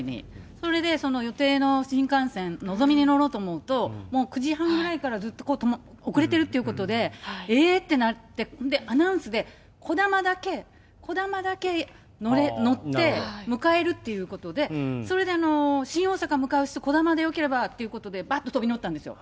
それでその予定の新幹線、のぞみに乗ろうと思うと、もう９時半ぐらいからずっと遅れてるっていうことで、えーってなって、アナウンスで、こだまだけ、こだまだけ、乗って、向かえるっていうことで、それで、新大阪向かう人、こだまでよければっていうことで、ばっと飛び乗ったんですよ。